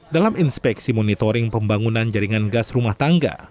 dalam inspeksi monitoring pembangunan jaringan gas rumah tangga